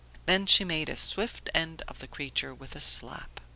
Then she made a swift end of the creature with a slap.